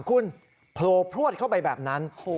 คุณโผล่พลวดเข้าไปแบบนั้น